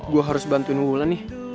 gue harus bantuin wulan nih